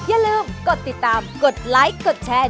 อย่าลืมกดติดตามกดไลค์กดแชร์